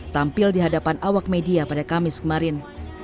tampil di hadapan awak media pada kamis kemarin